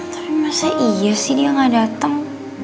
tapi masa iya sih dia gak dateng